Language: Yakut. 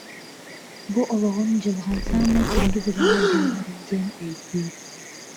бу олоҕуҥ, дьылҕаҥ саамай күндү бэлэҕэ буолар диэн өйдүүр